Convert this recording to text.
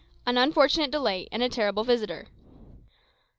AN UNFORTUNATE DELAY, AND A TERRIBLE VISITOR.